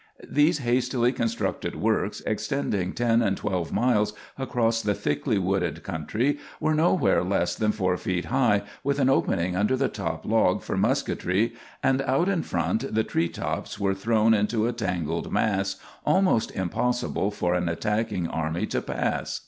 These hastily constructed works, extending ten and twelve miles across the thickly wooded country, were nowhere less than four feet high, with an opening under the top log for musketry, and out in front the tree tops were thrown into a tangled mass, almost impossible for an attacking army to pass.